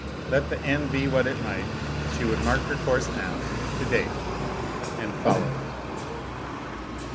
Let the end be what it might, she would mark her course now to day and follow it.